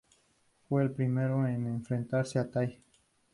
Fue el primero en enfrentarse a Tai.